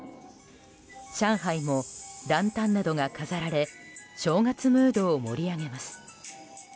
上海もランタンなどが飾られ正月ムードを盛り上げます。